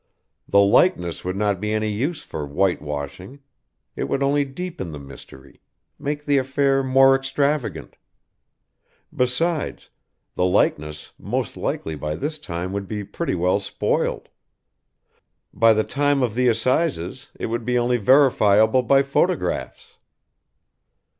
The likeness would not be any use for white washing; it would only deepen the mystery, make the affair more extravagant. Besides, the likeness most likely by this time would be pretty well spoiled; by the time of the Assizes it would be only verifiable by photographs.